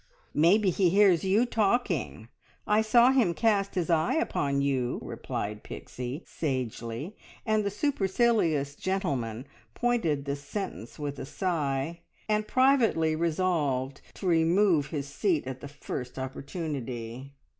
"Maybe he hears you talking! I saw him cast his eye upon you," replied Pixie sagely, and the supercilious gentleman pointed the sentence with a sigh, and privately resolved to remove his seat at the first opportunity.